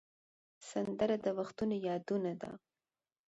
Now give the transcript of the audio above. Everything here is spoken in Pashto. سندره د وختونو یادونه ده